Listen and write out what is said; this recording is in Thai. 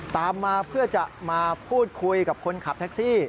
ตามมาเพื่อจะมาพูดคุยกับคนขับแท็กซี่